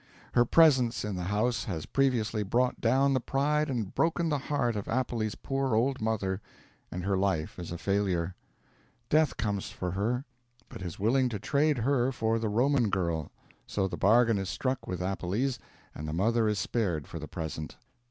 Her presence in the house has previously brought down the pride and broken the heart of Appelles' poor old mother; and her life is a failure. Death comes for her, but is willing to trade her for the Roman girl; so the bargain is struck with Appelles, and the mother is spared for the present.